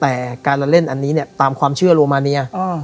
แต่การละเล่นอันนี้เนี่ยตามความเชื่อโรมาเนีย